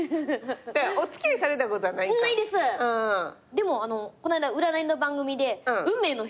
でもこの間占いの番組で運命の人。